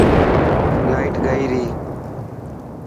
لائٽ گئي ري.